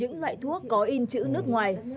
những loại thuốc có in chữ nước ngoài